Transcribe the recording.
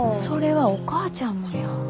それはお母ちゃんもや。